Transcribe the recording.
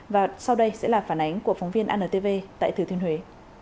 và sau đây sẽ là phản ánh của phóng viên antv tại thừa thiên huế